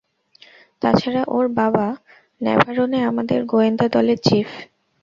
তাছাড়া ওর বাবা ন্যাভারোনে আমাদের গোয়েন্দা দলের চিফ।